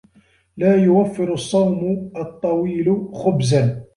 لا يوفر الصوم الطويل خبزاً.